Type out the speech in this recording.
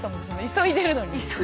急いでるのに。